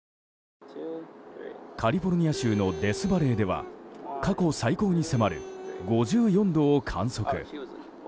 カリフォルニア州のデスバレーでは過去最高に迫る５４度を観測。